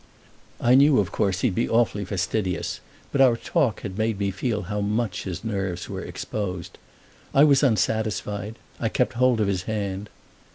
I knew of course he'd be awfully fastidious, but our talk had made me feel how much his nerves were exposed. I was unsatisfied—I kept hold of his hand.